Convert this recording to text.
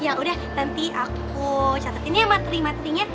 ya udah nanti aku catetin ya materi materinya